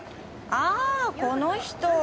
ああこの人。